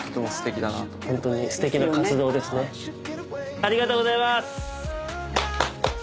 ありがとうございます！